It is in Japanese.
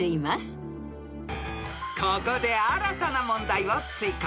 ［ここで新たな問題を追加］